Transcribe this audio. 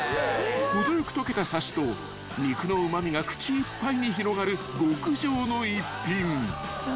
［程よく溶けたさしと肉のうま味が口いっぱいに広がる極上の逸品］